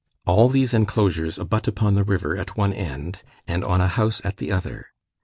All these enclosures abut upon the river at one end, and on a house at the other.